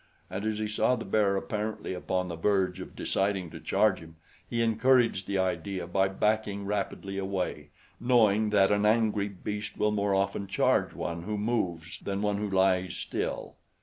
And as he saw the bear apparently upon the verge of deciding to charge him, he encouraged the idea by backing rapidly away, knowing that an angry beast will more often charge one who moves than one who lies still.